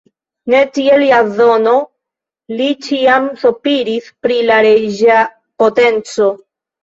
Ne tiel Jazono, li ĉiam sopiris pri la reĝa potenco.